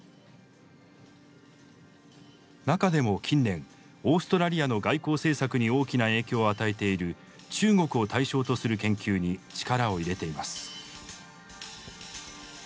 中でも近年オーストラリアの外交政策に大きな影響を与えている中国を対象とする研究に力を入れています。